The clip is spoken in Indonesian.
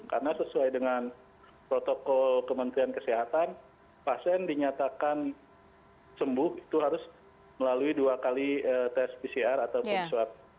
karena sesuai dengan protokol kementerian kesehatan pasien dinyatakan sembuh itu harus melalui dua kali tes pcr ataupun swab